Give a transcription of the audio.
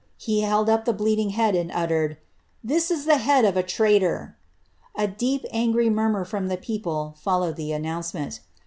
He held up the bleeding head, and tittered, ^ This is the head of a traitor !^' A deep and angry murmur from the people followed the announcement.